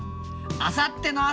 あさっての朝。